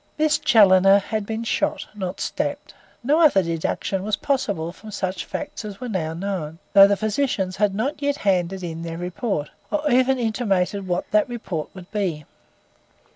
Miss Challoner had been shot, not stabbed. No other deduction was possible from such facts as were now known, though the physicians had not yet handed in their report, or even intimated what that report would be.